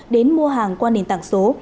đến mua hàng qua nền tảng số